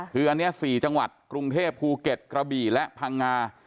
คืออันนี้๔จังหวัดกรุงเทพภูเก็ตกระบี่และพังงา